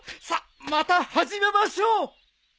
さっまた始めましょう！